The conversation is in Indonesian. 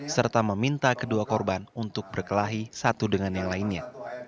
serta meminta kedua korban untuk berkelahi satu dengan yang lainnya